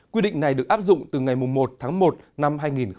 quy định này được áp dụng từ ngày một tháng một năm hai nghìn hai mươi